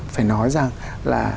phải nói rằng là